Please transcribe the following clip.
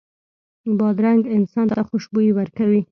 بادرنګ انسان ته خوشبويي ورکوي.